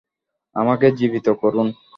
আমাকে জীবিত করুন।